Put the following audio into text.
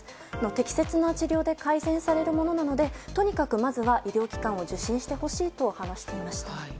適切な治療で改善されるものなのでとにかくまずは医療機関を受診してほしいと話していました。